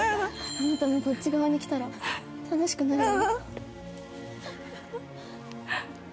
あなたもこっち側に来たら楽しくなるよ